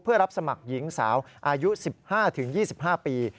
เพื่อรับสมัครหญิงสาวอายุ๑๕๒๕ปี